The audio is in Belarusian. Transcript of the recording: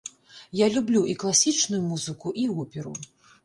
Я люблю і класічную музыку, і оперу.